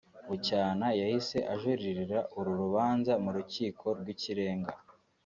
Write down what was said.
Bucyana yahise ajuririra uru rubanza mu Rukiko rw’Ikirenga